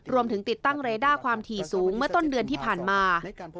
ติดตั้งเรด้าความถี่สูงเมื่อต้นเดือนที่ผ่านมา